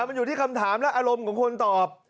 มันอยู่ที่คำถามและอารมณ์ของคนตอบ